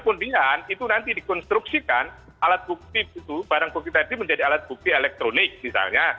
kemudian itu nanti dikonstruksikan alat bukti itu barang bukti tadi menjadi alat bukti elektronik misalnya